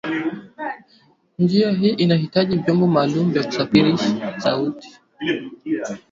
njia hii inahitaji vyombo maalumu vya kusafirisha sauti